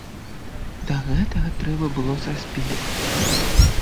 Да гэтага трэба было саспець.